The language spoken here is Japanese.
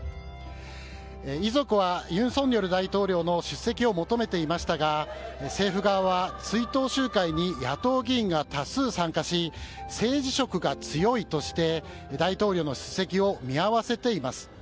遺族は尹錫悦大統領の出席を求めていましたが政府側は追悼集会に野党議員が多数参加し政治色が強いとして大統領の出席を見合わせています。